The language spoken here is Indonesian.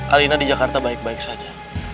alina di jakarta baik baik saja